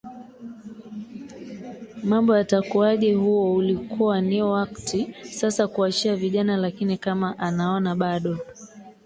mambo yatakuaje huo ulikuwa ni wakti sasa kuachia vijana lakini kama anaona bado